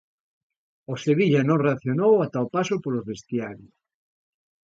O Sevilla non reaccionou ata o paso polos vestiarios.